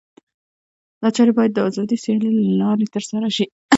دا چارې باید د آزادې سیالۍ له لارې ترسره شي.